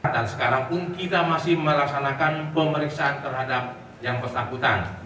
dan sekarang pun kita masih melaksanakan pemeriksaan terhadap yang pesakutan